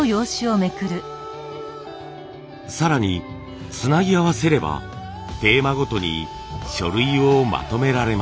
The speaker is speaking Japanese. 更につなぎ合わせればテーマごとに書類をまとめられます。